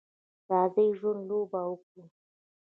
راځئ د ژوند لوبه وکړو.